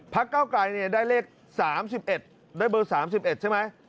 ภักร์เก้าไกลได้เลข๓๑บทใช่ไหม